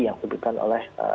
yang sebutkan oleh